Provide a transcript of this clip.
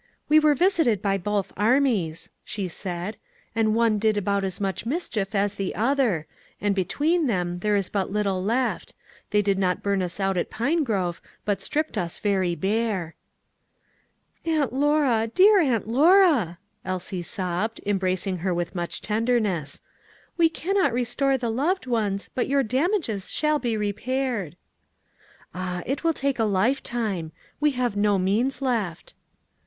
"We were visited by both armies," she said, "and one did about as much mischief as the other; and between them there is but little left: they did not burn us out at Pinegrove, but stripped us very bare." "Aunt Lora, dear Aunt Lora!" Elsie sobbed, embracing her with much tenderness; "we cannot restore the loved ones, but your damages shall be repaired." "Ah, it will take a lifetime; we have no means left."